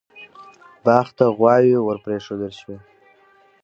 باغ ته غواوې ور پرېښودل شوې.